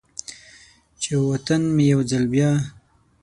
چې و طن مې یو ځل بیا،